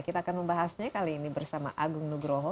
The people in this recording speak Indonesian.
kita akan membahasnya kali ini bersama agung nugroho